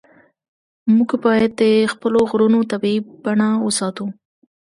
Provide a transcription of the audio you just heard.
موږ باید د خپلو غرونو طبیعي بڼه وساتو.